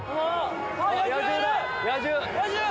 野獣！